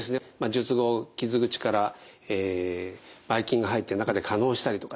術後傷口からばい菌が入って中で化のうしたりとかですね